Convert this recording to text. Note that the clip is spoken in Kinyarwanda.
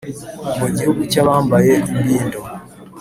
Mu gihugu cy' abambaye imbindo